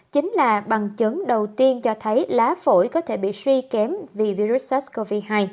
chính là bằng chứng đầu tiên cho thấy lá phổi có thể bị suy kém vì virus sars cov hai